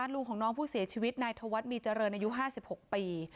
ลุงของน้องผู้เสียชีวิตนายธวัฒน์มีเจริญอายุ๕๖ปี